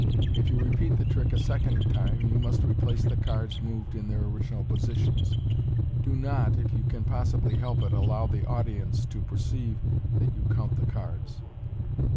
If you repeat the trick a second time, you must replace the cards moved in their original positions. Do not, if you can possibly help it, allow the audience to perceive that you count the cards, *<* MODERN MAGIC.